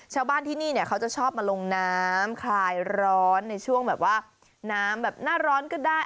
ชาวบ้านที่นี่เนี่ยเขาจะชอบมาลงน้ำคลายร้อนในช่วงแบบว่าน้ำแบบหน้าร้อนก็ได้